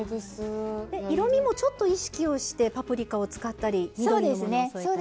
色みもちょっと意識をしてパプリカを使ったり緑のものを添えたり。